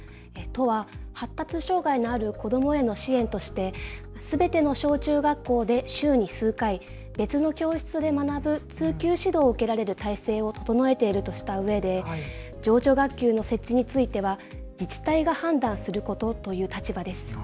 都は発達障害のある子どもへの支援としてすべての小中学校で週に数回、別の教室で学ぶ通級指導を受けられる体制を整えているとしたうえで情緒学級の設置については自治体が判断することという立場です。